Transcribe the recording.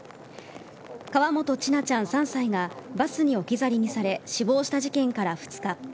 河本千奈ちゃん、３歳がバスに置き去りにされ死亡した事件から２日。